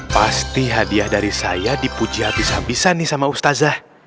pasti hadiah dari saya dipuji habis habisan nih sama ustazah